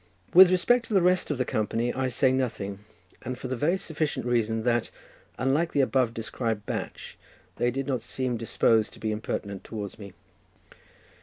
With respect to the rest of the company I say nothing, and for the very sufficient reason that, unlike the above described batch, they did not seem disposed to be impertinent towards me.